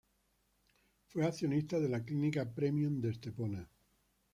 Fue accionista de la clínica Premium de Estepona.